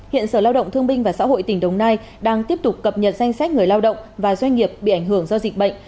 hiện sở lao động thương binh và xã hội tỉnh đồng nai đang tiếp tục cập nhật danh sách người lao động và doanh nghiệp bị ảnh hưởng do dịch bệnh